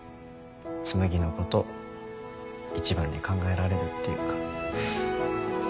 紬のこと一番に考えられるっていうか。